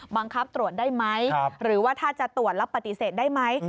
บังคับตรวจได้ไหมหรือว่าถ้าจะตรวจแล้วปฏิเสธได้ไหม